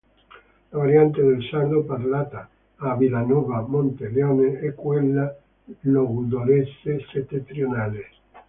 La variante del sardo parlata a Villanova Monteleone è quella logudorese settentrionale.